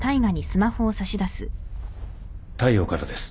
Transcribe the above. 大陽からです。